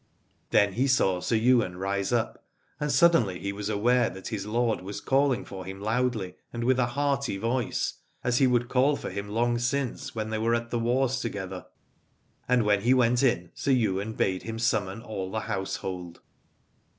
Then he saw Sir Ywain rise up, and sud denly he was aware that his lord was calling for him loudly and with a hearty voice, as 3 Aladore he would call for him long since, when they were at the wars together. And when he went in, Sir Ywain bade him summon all the household.